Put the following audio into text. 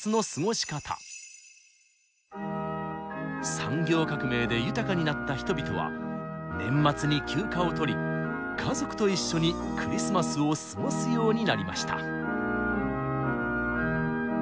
産業革命で豊かになった人々は年末に休暇を取り家族と一緒にクリスマスを過ごすようになりました。